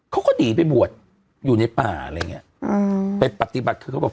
เขาก็หนีไปบวชอยู่ในป่าอะไรอย่างเงี้ยอืมไปปฏิบัติคือเขาบอก